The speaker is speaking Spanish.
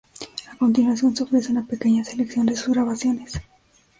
A continuación se ofrece una pequeña selección de sus grabaciones.